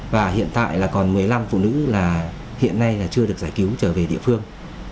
và hiện tại là còn một mươi năm phụ nữ là hiện nay là chưa được giải cứu trở về địa phương